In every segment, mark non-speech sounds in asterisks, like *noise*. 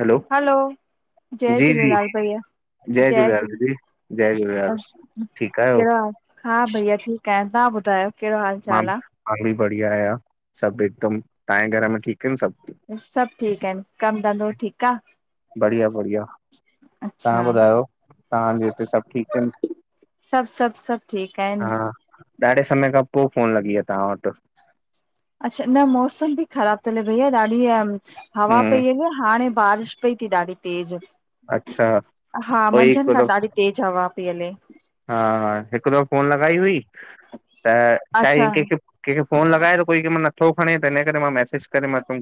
Hello hello, जय जी जी झूलेलाल भईया। जय झूलेलाल दीदी, जय झूलेलाल, ठीक आहियो? कहिड़ो हाल? हा भैया ठीक आया। तव्हां ॿुधायो? कहिड़ो हाल मां चाल आ? मां बि बढ़िया आहियां सभ हिकदम। तव्हांजे घर में ठीक आहिन सभ? सभ ठीक आहिनि। कम धंधो ठीक आ? बढ़िया बढ़िया। अच्छा, तव्हां ॿुधायो तव्हांजे हिते सभ ठीक आहिन? सब सब सब ठीक आहेन। हा ॾाढे समय खां पो फोन लॻी आहे तव्हां वट। अच्छा न मौसम बि ख़राब थो हले भईया ॾाढी हवा हम्म पई हले हाणे बारिश पई थे ॾाढी तेज। अच्छा हा कोई हिकु मंझन खां दफ़ो ॾाढी तेज हवा पी हले। हा हा हिक दफ़ो फोन लॻाई हुई त छाहे अच्छा, कंहिंखे कंहिंखे फोन लॻाए त कोई कंहिं महिल नथो खणे त हिन करे मां मैसेज करे मां चम।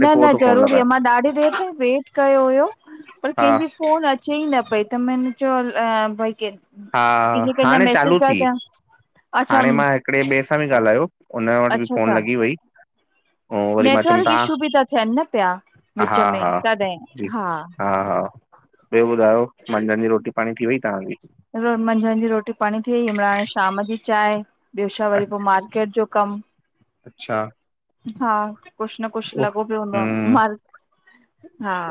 न न ज़रूरी आ मां ॾाढी देर ताईं वेट कयो हुयो पर हा कंहिंजी फोन अच अच‌ई न पई त मैने चयो अ भई के हा हाणे चालू थी। अच्छा हाणे मां हिकिड़े ॿिए सां बि ॻाल्हायो हुन वटि बि अच्छा फ़ोन अच्छा लगॻी वई। ऐं वरी मां चयुमि नेटवर्क इश्यू तव्हां बि त, थेयन न प्या, विच हा में, हा जी तॾएं‌। हा। हा हा ॿ्यो ॿुधायो, मंझंन जी रोटी पाणी थी वई तहांजी? मंझंन जी रोटी पाणी थी वई, हाणे शाम जी चांयं। ॿ्यो छा वरी पो मार्केट जो कम। अच्छा हा, कुछ न - कुछ उह लॻो प्यो हूंदो हम्म आ, हा।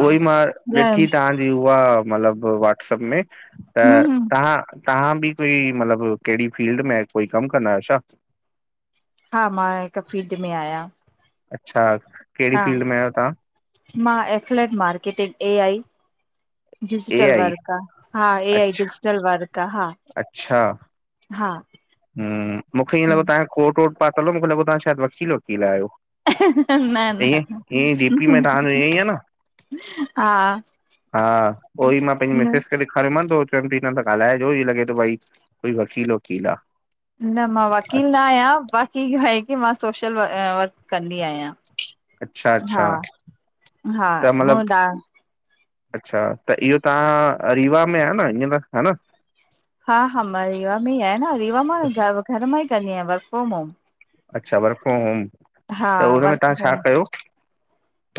कि हूअ मतलब व्हाट्सएप में, त हम्म तां तां बि कोई, मलब, केड़ी फील्ड में कोई कम कंदा आयो छा? हा, मां हिक फील्ड में आयां। अच्छा, केड़ी फील्ड में आयो तां? मां affiliate marketing, A I, A digital I work आ। हा, ए आई, अच्छा डिजिटल वर्क आ, हा। अच्छा हा। हम्म, मुखे ईंय लॻो, ताए कोट वोट पातल ओ, मुखे लॻो तां शायद वकील, वकील आयो। न हे न ईंअ, ईंअ, डीपी में तांजों ईंअ इ आ न? हा हा, उओ ई मां पेंजी न मिसेज खे बी ॾेखार्योमान, पो चम कि इनन सां ॻालाएजो, ईअं लॻे थो, भाई, कोई वकील वकील आ। न मां वकील नांयां, बाक़ी इहो आए कि मां, सोशल वर्क कंदी आया। अच्छा अच्छा, हा त मूं मलब ॾा अच्छा, त इहो तां, रीवा में आयो न, हीयं त, ह न? हा हा, मां रीवा में ई आयां न, रीवा मां, घर मां ई, कंदी आयां, वर्क फ्रोम होम। अच्छा, वर्क फ्रोम होम, हा त हुन में वर्क तां छा फ्रोम कयो?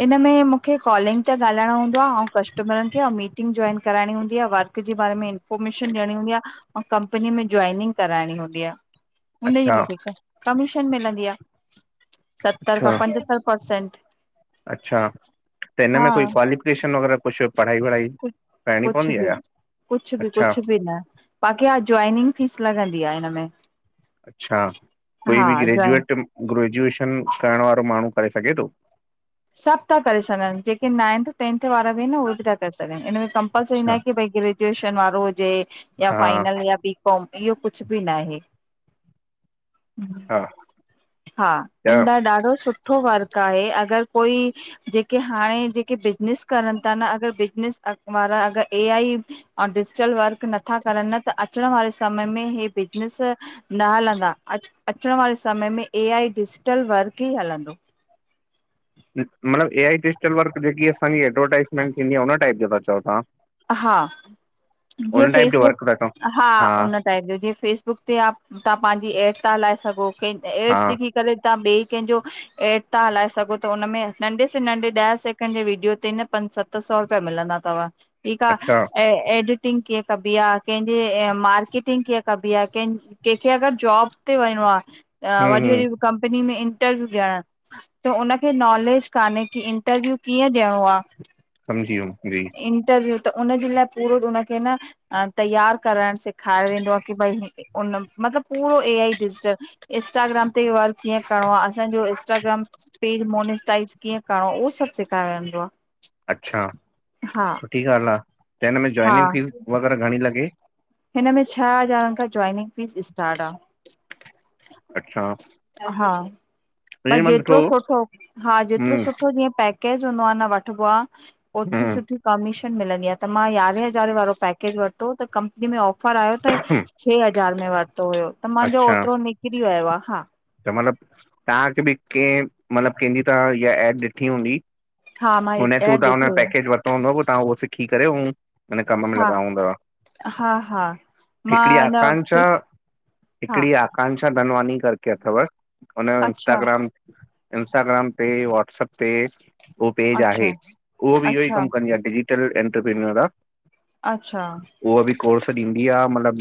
इन में मुखे कॉलिंग ते ॻलाएणो हूंदो आ, ओं कस्टमरन खे, ओं मीटिंग जॉइन कराइणी हूंदी आ, वर्क क जे बारे में इन पमिशन ॾेणी हूंदी आ, ओं कंपनी में जॉइनिंग कराएणी हूंदी आ, हुनजी अच्छा मुखे कमीशन मिलंदी आ, सत्तर खां अच्छा पंजत्तर परसेंट अच्छा त हिन में कोई हा क्वालिफिकेशन वग़ैरा कुछ, पढ़ाई वढ़ाई कु, करणी कुछ पवंदी बि आहे छा न, कुछ बि, अच्छा कुछ बि न बाक़ी हा, जॉइनिंग फीस लॻंदी आ ईनमें अच्छा, कोई बि जॉइन ग्रेजुएट, ग्रेजुएशन करण वारो माणू, करे सघे तो? सभ था करे सघन, जेके नाइंथ, टेंथ वारा बि इन न, उहे भी था करे सघन, इन में कंपलसरी अच्छा नाए कि भइ ग्रेजुएशन वारो हुजे या हा फाइनल या बी काॅम, इयो कुछ बि नाहे। हा हा, त *unintelligible* ॾाढो सुठो वर्क आहे, अगर कोई जेके हाणे, जेके बिजनिस करन ता न, अगर बिजनस वारा, अगर ए आई ओं डिजटल वर्क नथा करन न, त अचण वारे समय में हे बिज़नस न हलंनदा, अचण वारे समय में, ए आई डिजिटल वर्क ही हलंदो। मलब, ए आई डिजिटल वर्क जेकी असांजी एडवरटाइज़मेंट थींदी आ, उन टाइप जो था चओ तां? हा, जीअं फेसबुक, वर्क था चओ हा उन ताहेंजो जीअं फेसबुक ते आ, तां पांजी एड ता हलाए सघो, केन हा एड्स जेकी कॾे तां ॿे केंजों एड ता हलाए सघो, त हुनमें, नंढे स नंढे ॾह सेकेंड जे वीडियो ते न, पंज सत त सौ रुपया मिलंदा तव, ठीक आ, अच्छा ऐं एड टींग कीअं कबी आ, केंजे मार्केटिंग कीअं कबी आ केन कंहिंखे अगर जॉब ते वञिणो आ, वॾी हम्म हम्म वॾी कंपनी में इंटरव्यू ॾियण त उनखे नॉलेज कान्हे की इंटरव्यू कीअं ॾियणो आ समझी वयुम, जी। इनटरव्यू, त उनजे लाइ पूरो उनखे न अं तैयार करण सेखारिंदों आ की भाई, उन, मतलब पूरो ए आ ई डिजटल इसटाग्राम ते वर्क कीअं करणो आ असांजो इस इंटाग्राम पेज मोनीजटाइज कीअं करणो आ, उओ सभ सेखारिंदो आ। अच्छा, सुठी ॻाल्ह आ, त हिन में हा जॉइनिंग फीस वग़ैरह, घणी लॻे? हिन में छह हज़ारन खां जॉइनिंग फीस स्टार्ट आ। अच्छा हा, भाई ईअं मां जेतिरो ॾिठो हो। सुठो, हा जेतिरो हम्म सुठो जीअं पैक पेकेज हुंदो आ न वठबो आ ओतिरी हम्म सुठी कमीशन मिलंदी आ त मां यारहें हज़ारें वारो पैकेज वरितो त कंपनी में ऑफ़ पर आयो त छह हज़ार में वरितो हुयो त मांजो अच्छा ओतिरो निकिरी वयो आ हा। त मतलब तव्हांखे बि कंहिं मतलब कंहिंजी त ईहा एप ॾिठी हूंदी? हा मां उन्हें एड थ्रू तवां ॾिठी हुनजो हुई पैकेज वरितो हूंदो पो तहां उहो सिखी करे अऊं उन्हें कम में हा लॻा हूंदा हा हा मां हिकड़ी हिन आकांक्षा फिस हा हिकिड़ी आकांक्षा धनवानी करके अथव हुनजो अच्छा इंस्टाग्राम इंस्टाग्राम ते वॉट्सप ते उहो पेज आहे अच्छा उहो बि इहो ही अच्छा कम कंदी आ डिजिटल एंटरप्रन्यर आ। अच्छा उहा बि कोर्स ॾींदी आहे मतलब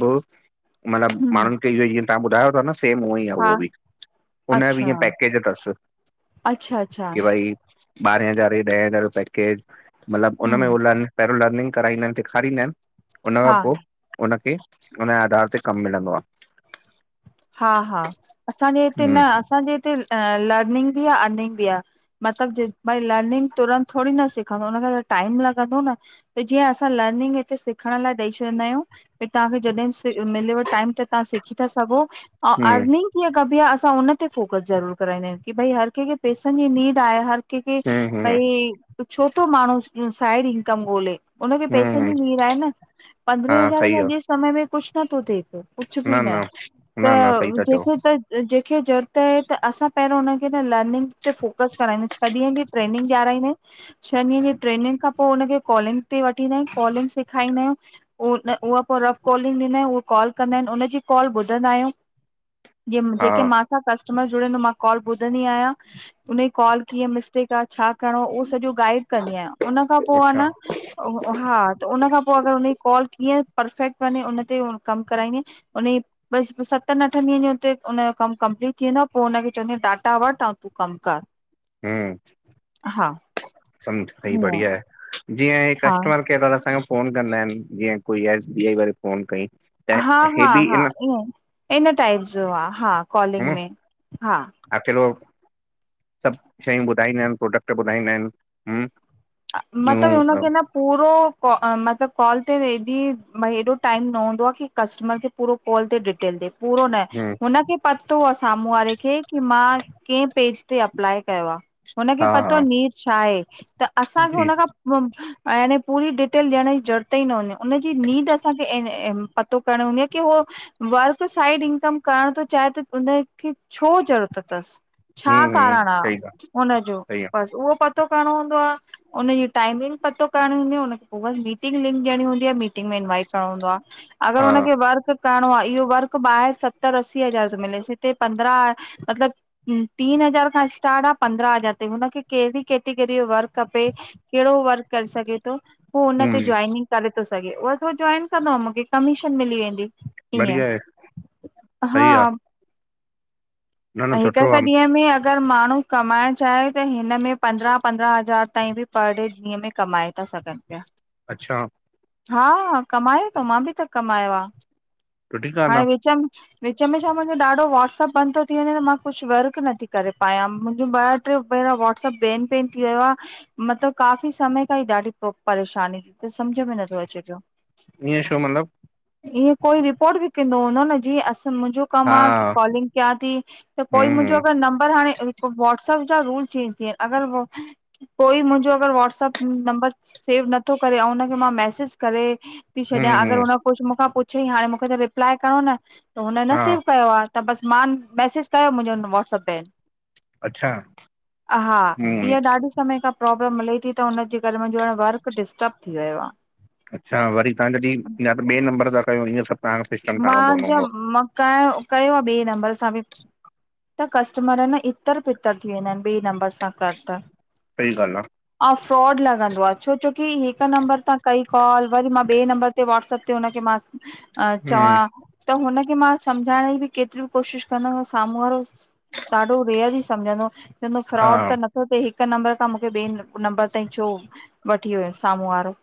मतिलबु हम्म माण्हुनि खे इह जीअं तव्हां ॿुधायो था न सेम उअंई। हा उस भी हुनया बि अच्छा ईएं पेकेज तस अच्छा अच्छा कि भाई ॿारहें हज़ार ॾहें हज़ार जो पैकेज मतलब उनमे हम्म लर्निंग कराईंदा आहिनि सेखारींदा आहिनि हुनन खां हा पो उनखे हुनजे आधार ते कम मिलंदो आ। हा हा असांजे आहे हिते न हम्म असांजे हिते लर्निंग बि आ अर्निंग बि आ। मतलब जे भाई लर्निंग तुरंत थोड़े ई न सिखंदो हुनखे त टाइम लॻंदो न। त जीअं असां लर्निंग हिते सिखण लाइ ॾेई छॾींदा आहियूं। की तव्हांखे जॾहिं मिलेव टाइम त तवां सिखी था सघो अऊं हम्म अर्निंग कीअं कबी आहे असां हुनन ते फोकस ज़रूर कराईंदा आहियूं की भाई हर कंहिंखे पैसनि जी नीड आहे हर के के हम्म हम्म भाई छोतो माण्हू साइड इनकम ॻोल्हे। हुनखे पैसनि हम्म जी नीड आहे न हा पंद्रहें हज़ारे में सही आहे अॼु समय में कुछ नथो थिए पयो कुछ बि न न त न सही था चओ जेको त जंहिंखे ज़रूरत आहे त असां पहिरों हुनखे न लर्निंग ते फोकस कराईंदा अहियूं छह ॾींहंनि जी ट्रेनिंग ॾियाराईंदा‌ आयु। छहनि ॾींहनि जी ट्रेनिंग खां पो हुनखे कॉलिंग ते वठी ईंदा आहियूं, कॉलिंग सेखारींदा आहियूं उ उह पो रफ कॉलिंग ॾींदायु, उहा कॉल कंदा आहिनि, उनजी कॉल ॿुधंदा आहियूं जियं हा जेके मा मासां कस्टमर जुड़े त मां कॉल ॿुधंदी आहियां, उनजी कॉल कीअं मिस्टेक आ छा करणो उहो सॼो गाइड कंदी आहियां उन खां पो आ अच्छा न हा त उन खां पो अगर हुनजी कॉल कीअं परफेक्ट वञे उन ते कम कराईंदीअं उन जी बस सभ सतनि अठनि ॾींहंनि जो उते उनजो कम कंपलीट थीे वींदो आ पो हुनखे चवंदी आहियां डाटा वठि ऐं तूं कम कर। हम्म हा समझ सही ईअं बढ़िया आहे, जीअं हा कस्टमर केयर वारा असांखे फोन कंदा आहिन जीअं कोई एस बी वारे फोन कई। त हा हे -हा बि -हा इन ईअ इन टाइप जो आ हा कॉलिंग में हा। अकेलो सभु शयूं ॿुधाईंदा आहिनि प्रोडक्ट ॿुधाईंदा आहिनि ह्म। अ मतलब उनखें न - - पूरो कॉ मतलब कॉल ते हेॾी भई हेॾो टाइम न हूंदो आहे कि कस्टमर खे- - पूरो कॉल ते डिटेल ॾे पूरो न हम्म हुनखे- - पतो आ साम्हूं वारे खे कि मां कें पेज ते अप्लाए कयो आ? हुनखे हा पतो हा नीड छा आहे त असांखे जी हुनखां। याने पूरी डिटेल ॾियण जी ज़रूरत ई न हूंदी आ उन जी नीड असांखे ऐं एम्- - पतो करण हूंदीअ आहे की उहो- - वर्क साइड इनकम करण थो चाहे त हुनखे छो ज़रूरत तस। छा हम्म हम्म कारण सही ॻाल्हि आहे हुनजो सही आहे बस उहो पतो कहड़णो हूंदो आ। हुनजी टाइमिंग पतो करणी हूंदी आहे हुनखे पो बस मीटिंग लिंक ॾियणी हूंदी आहे मीटिंग में इंवाइट- - न हूंदो आ अगर हा हुनखे वर्क- - करणो आहे इहो वर्क ॿाहर सत्तर अस्सी हज़ार जो मिलेस हिते पंद्रहं मतलब- - तीन हज़ार खां स्टार्ट आ, पंद्रहां हज़ार ताईं, हुनखे कंहडी़ कैटेगरीअ जो वर्क? खपे, केड़ो वर्क करे सघे थो पो हुन ते हम्म जॉइनिंग करे थो सघे, बस उहो जॉइन कंदो अऊं मूंखे कमीशन मिली वेंदी। ईअं, बढ़िया आहे सही आहे हा- - न न अएं हिक सुठो -हिक आहे ॾींहं में अगर माण्हू कमाइण चाहे त हिन में पंद्रहां- पंद्रहां हज़ार ताईं बि पर डे ॾींहं में। कमांए ता सघन पया। अच्छा। हा कमाए तो मां बि त कमायो आ। सुठी ॻाल्हि हाणे विच में विच में छा मुंहिंजो ॾाढो व्हाट्सअप बंद तो थी वञे त मां कुछ वर्क नथी करे पायां मुंहिंजो ॿ ट्रे भेरा वाट्सअप बेन बेन थी वियो आ मतलब काफ़ी समय खां ई ॾाढी पो परेशानी त समझ में न थो अचे पयो। आहे ईअं छो मतिलब ईअं कोई रिपोर्ट बि कंदो हूंदो न जीअं असां मुंहिंजो कम हा आ की कॉलिंग क्यां ती त कोई हम्म मुंहिंजो हम्म अगर नंबर हाणे वॉट्सअप जा रूल चेंज थी विया अगर कोई मुंहिंजो अगर वॉट्स‌अप नंबर सेव नथो करे ऐं उनखे मां मैसेज करे थी छॾयां हम्म अगर हम्म हुन कुछ मूंखां पुछयईं हाणे मूंखे त रिप्लाइ करणों न, त हुन न हा सेव कयो आ। त बस मां मैसेज कयो मुंहिंजो व्हाट्स‌अप बेन। अच्छा हा, हम्म इह ॾाढी समय खां प्रॉब्लम हले ती त हुनजे करे मुंहिंजो हाणे वर्क डिस्टर्ब थी वियो आ। अच्छा वरी तां जॾि या त ॿे नंबर सां कयो इंञ सभ तां मां ज मां क-कयो आ ॿे नंबर सां बि त कस्टमर न इतर पितर थी वेंदा आहिनि ॿे नंबर सां कर त। सही ॻालह आ। अऊं फ्रॉड लॻंदो आ। छो छोकी हिक नंबर ता कई कॉल वरी मां ॿे नंबर ते वाट्स‌अप ते हुनखे मां अ, आहे हम्म चवां त हुनखे मां सम्झाइण जी बि केतरीयू कोशिश कंदम साम्हूं वारो ॾाढो रेयर ई सम्झंदो। चवंदो हा फ्रॉड त नथो थिए हिक नंबर खां मूंखे ॿे नंबर ताईं छो, वठी वयो साम्हूं वारो।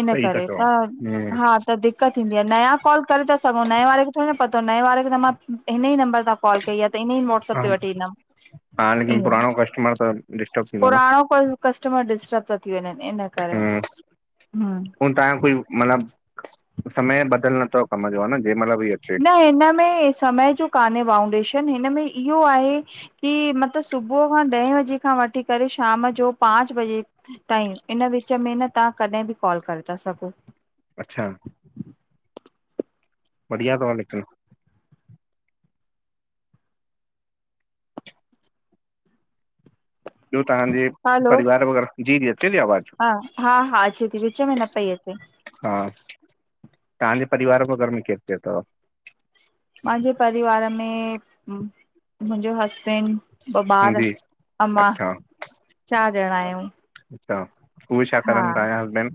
इन सही था करे। चओ त हम्म हा त दि कत थींदी आ। नयां कॉल करे था सघूं नए वारे खे थोड़ी न पतो नए वारे खे त मां हिन ई नंबर सां कॉल कई आ त इन्हई व्हाट्सअप हा ते वठी ईंदम ईंयें। मां त, डिस्टर्ब थींदो न पुराणों कोई कस्टमर डिस्टर्ब तो थी वंञेंन इन्ह करे। हम्म ताहंजो कोई मतलबु, समय बधल नथव कम जो हन जेंहिमल बि अचु। न हिन में समय जो कान्हे बाउंडेशन हिन में इह्यो आहे की मत सुबुह खां ॾहें बजे खां वठी करे शाम जो पांच बजे ताईं, इन्ह विच में न तहां कॾहिं बि कॉल करे ता सघो। अच्छा। ॿढ़िया तव लिखंण। ॿियो तहांजे हलो परिवार वग़ैरह, जी जी अचेती आवाज़? हा हा हा अचे ती विच में न पई अचे हा तहांजे परिवार व घर में केर केर तव? मांजे परिवार में मुंजो हसबैंड ॿ ॿार जी अ मां। अच्छा चार ॼणां आहियंउं अच्छा उहे छा हा। करनि तव्हांजा हस्बैंड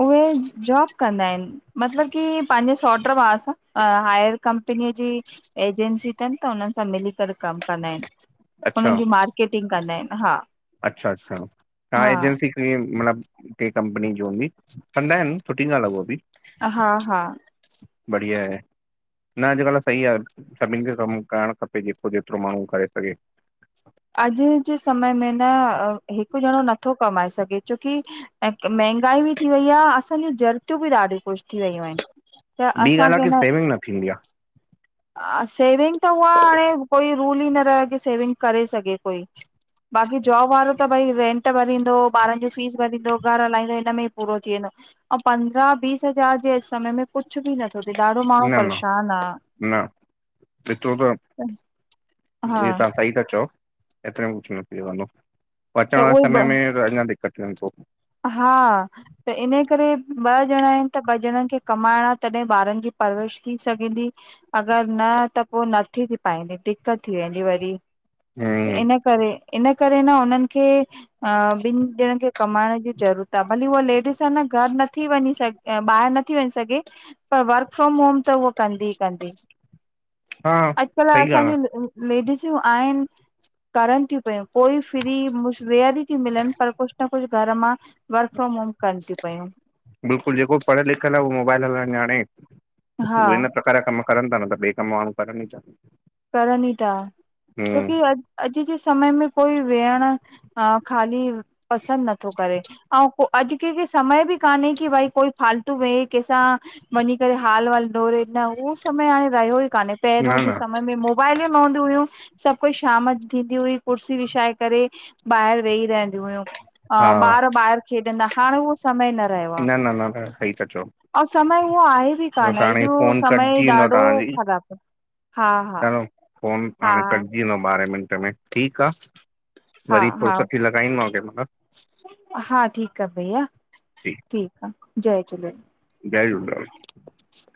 उहे जॉब कंदा इनि। मतलब की पांजे सौट्र भा सां हायर कंपनीअ जी एजेंसी तनि त हुननि सां मिली करे कमु कंदा इनि। अच्छा उन्हनि ज्यू मार्केटिंग कंदा इनि, हा। अच्छा अच्छा, छा हा एजेंसी ईयें मतलबु केंहिं कंपनी जी हुंदी, कंदा हिनि सुठी गाल्हि आ उह बि अ हा हा बढिया ए न अॼुकल्ह सही आ सभिनि खे कमु करणु खपे जेको जेतिरो माण्हूं करे सघे। अॼु जे समय में न हिकु ॼंणों नत्थो कमाए सघे छोकी ऐं मंहिगाई बि थी वई या असांज्यूं ज़रूतियूं बि ॾाढियुं कुशि थी वयूं आहिनि त ॿी ॻाल्हि आहे असांखे की न सेविंग थींदी सेविंग त उहा हाणे कोई रूल ई न रह्यो की सेविंग करे सघे कोई बाक़ी जॉब वारो त भई रेंट भरींदो, ॿारनि ज्यूं फीस भरींदो, घर हलाईंदो हिनमें ई पूरो थी वेंदो। अंउं पंद्रहां बीस हज़ार जे अॼु समय में कुछु बि नथो थिए ॾाढो आहे माण्हूं न न परेशान आ न ॾिठो त हा जी तहां सही ता चओ एतिरे में कुछु न थी सघंदो, अचण त वारे उहे समय में त अंञां दिक्क़त थींदन पो हा। त इन्हे करे ॿ ॼणां इनि त ॿ ॼणंनि खे कमाइणा तॾहिं ॿारनि जी परवरिश थी सघंदी अगरि न त पो नत्थी थी पाईंदी दिक़त थी वेंदी वरी। हम्म इन्ह करे इन्ह करे न उन्हनि खे अ ॿिनि ॼणनि खे कमाइण जी ज़रूरत आ भली उहा लेडीस आ न घर नथी वंञीं सघ ॿाहिरि नथी वंञीं सघे पर वर्कफ्रोम होम त उह कंदी कंदी *inaudible* अॼुकल्ह सही ॻाल्हि आहे असांज्यूं लेडिसियूं आहिनि करनि तियूं पयूं कोई फ्री मुश रेयरी तियूं मिलनि पर कुछु न कुछु घर मां वर्क फ्राम होम कनि तियूं पयूं। बिल्कुलु जेको पढ़ियल लिखियल आ उहो मोबाइल हलाएण ॼाणे हा उहे न प्रकार जा कम करनि ता न त ॿे कम माण्हूं करनि ई ता। करनि ई था छोकी अॼ अॼु जे समय में कोई वेहण हा, खाली पसंद नथो करे। अऊं पोय अॼु कंखे समय बि कान्हे की भाई कोई फालतू वेहे कंहिंसां वञी करे हाल -हाल डोरे न उहो समय हाणे रहियो ई कान्हे न पहिरियों जे न मोबाइल ई न हूंदी हुयूं सभु कोई शाम थींदी हुई कुर्सी विछाए करे ॿाहिर वेई रहंदियूं हुयूं। हा, ॿार ॿाहिरि खेॾंदा हाणे उहो समय न रहियो न न न, सही था चओ आहे। ऐं समय ऊअं आहे बि कान हे हाणे एॾो फोन समय कटजी वेंदव ॾाढो तव्हांजी ख़राब आ। हा -हा। चलो फोन हा हाणे कटजी वेंदो ॿारहें मिंट में ठीक आह। हा वरी हा फुर्सत लॻाईंदी मांव कंही महिल। हा, ठीक आहे। भैया जी ठीक आहे। जय झूलेलाल। जय झूलेलाल।